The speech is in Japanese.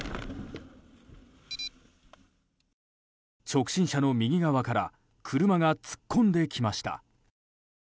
直進車の右側から車が突っ込んできました。